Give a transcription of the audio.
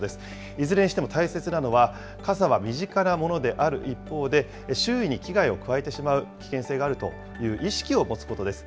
いずれにしても大切なのは、傘は身近なものである一方で、周囲に危害を加えてしまう危険性があるという意識を持つことです。